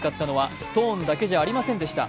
ストーンだけじゃありませんでした。